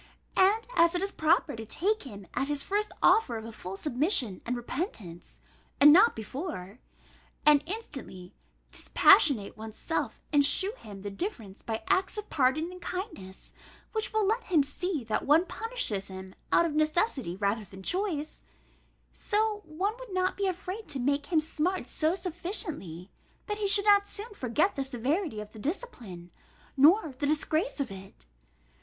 And as it is proper to take him at his first offer of a full submission and repentance (and not before), and instantly dispassionate one's self, and shew him the difference by acts of pardon and kindness (which will let him see that one punishes him out of necessity rather than choice), so one would not be afraid to make him smart so sufficiently, that he should not soon forget the severity of the discipline, nor the disgrace of it.